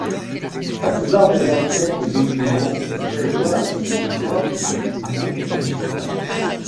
La plupart des enquêtes d'opinion prévoient une victoire du non au scrutin.